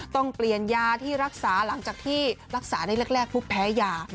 ต้องเปลี่ยนยาที่รักษาหลังจากที่รักษาได้แรกปุ๊บแพ้ยา